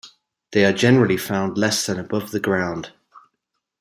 They are generally found less than above the ground.